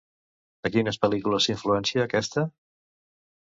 De quines pel·lícules s'influencia aquesta?